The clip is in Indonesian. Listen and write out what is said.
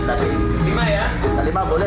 mak kuntun tukar tempat saya di situ boleh